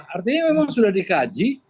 artinya memang sudah dikaji